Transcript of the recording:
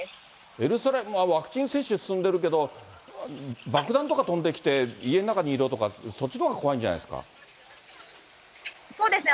エルサレムはワクチン接種は進んでるけど、爆弾とか飛んできて、家の中にいろとか、そっちのほうが怖いんじそうですね。